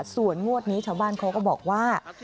ส่วนงวดนี้ชาวบ้านเขาก็บอกว่า